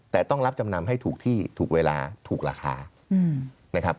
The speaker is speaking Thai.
แต่ต้องรับจำนำให้ถูกที่ถูกเวลาถูกราคานะครับ